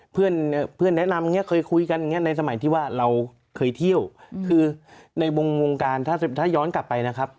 เพื่อนแนะนำอย่างนี้เคยคุยกันอย่างนี้ในสมัยที่ว่าเราเคยเที่ยวคือในวงการถ้าย้อนกลับไปนะครับ